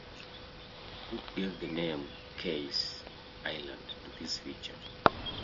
Cook gave the name "Kaye's Island" to this feature.